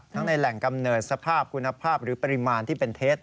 ในแหล่งกำเนิดสภาพคุณภาพหรือปริมาณที่เป็นเท็จ